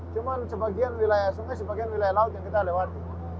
cuma sebagian wilayah sungai sebagian wilayah laut yang kita lewati